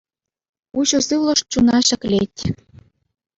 Уҫӑ сывлӑш чуна ҫӗклет.